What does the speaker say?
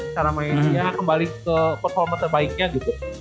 cara mainnya kembali ke performance terbaiknya gitu